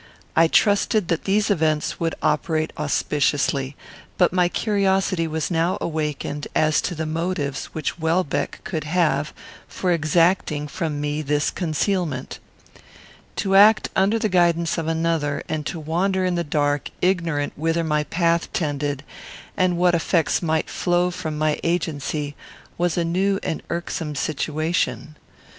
I trusted that these events would operate auspiciously; but my curiosity was now awakened as to the motives which Welbeck could have for exacting from me this concealment. To act under the guidance of another, and to wander in the dark, ignorant whither my path tended and what effects might flow from my agency, was a new and irksome situation.